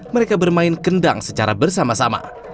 mereka bermain kendang secara bersama sama